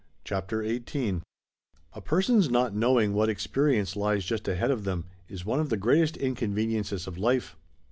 CHAPTER XVIII A PERSON'S not knowing what experience lies just ahead of them is one of the greatest inconven iences of life.